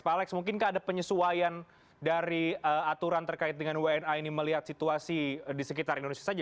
pak alex mungkinkah ada penyesuaian dari aturan terkait dengan wna ini melihat situasi di sekitar indonesia saja